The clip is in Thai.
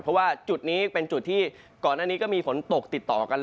เพราะว่าจุดนี้เป็นจุดที่ก่อนหน้านี้ก็มีฝนตกติดต่อกัน